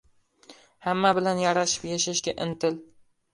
— Hamma bilan yarashib yashashga intil.